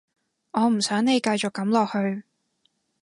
我唔想你繼續噉落去